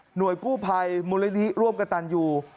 กู้ภัยมูลนิธิร่วมกับตันยู